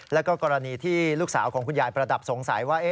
แล้วก็กรณีที่ลูกสาวของคุณยายประดับสงสัยว่า